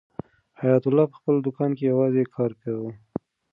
حیات الله په خپل دوکان کې یوازې کار کاوه.